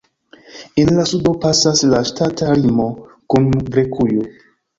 En la sudo pasas la ŝtata limo kun Grekujo (Grekio).